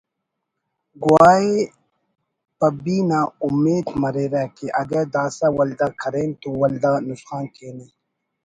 گوائے پبی نا اومیت مریرہ کہ اگہ داسہ ولدا کرین تو ولدا نسخان کینہ